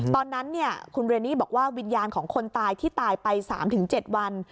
ตอนนั้นเนี่ยคุณเรนนี่บอกว่าวิญญาณของคนตายที่ตายไปสามถึงเจ็ดวัน